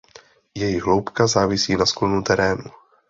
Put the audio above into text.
Jejich hloubka závisí na sklonu terénu.